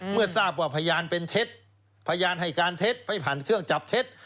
เมื่อทราบว่าพยานเป็นเท็จพยานให้การเท็จไปผ่านเครื่องจับเท็จ